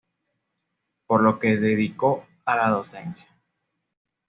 Por lo que dedicó a la docencia.